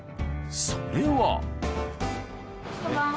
それは。